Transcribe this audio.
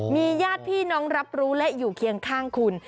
มีญาติพี่น้องรับรู้และอยู่เคียงข้างคุณ